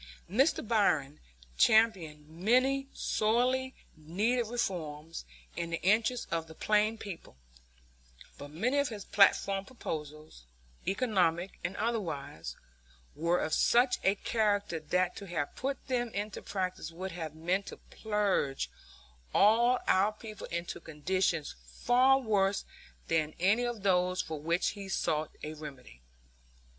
Mr. Bryan championed many sorely needed reforms in the interest of the plain people; but many of his platform proposals, economic and otherwise, were of such a character that to have put them into practice would have meant to plunge all our people into conditions far worse than any of those for which he sought a remedy.